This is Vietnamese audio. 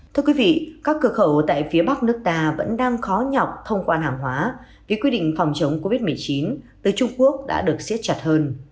thưa quý vị các cửa khẩu tại phía bắc nước ta vẫn đang khó nhọc thông quan hàng hóa vì quy định phòng chống covid một mươi chín từ trung quốc đã được siết chặt hơn